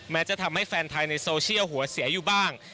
จะทำให้แฟนไทยในโซเชียลหัวเสียอยู่บ้าง